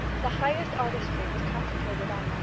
The highest artistry was concentrated on them.